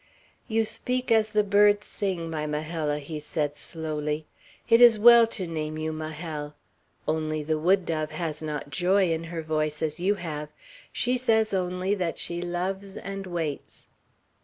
"You speak as the birds sing, my Majella," he said slowly. "It was well to name you Majel; only the wood dove has not joy in her voice, as you have. She says only that she loves and waits."